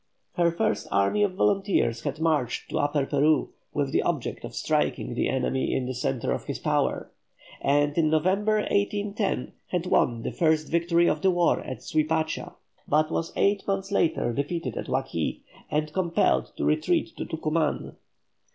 Her first army of volunteers had marched to Upper Peru with the object of striking the enemy in the centre of his power; and in November, 1810, had won the first victory of the war at Suipacha, but was eight months later defeated at Huaqui, and compelled to retreat to Tucuman.